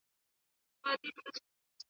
ځان سره مينه ولره